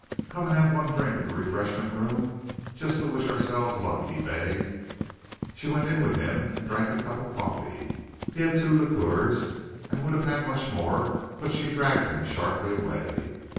"Come and have one drink in the refreshment room, just to wish ourselves luck," he begged. She went in with him and drank a cup of coffee. He had two liqueurs, and would have had more, but she dragged him sharply away.